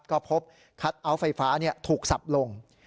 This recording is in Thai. ก็พบคัทเอาท์ไฟฟ้าถูกสับลง